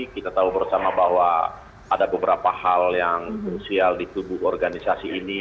kita tahu bersama bahwa ada beberapa hal yang krusial di tubuh organisasi ini